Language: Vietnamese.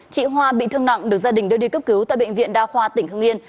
chị hoa bị thương nặng được gia đình đưa đi cấp cứu tại bệnh viện đa khoa tỉnh hưng yên